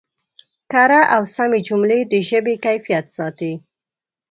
کره او سمې جملې د ژبې کیفیت ساتي.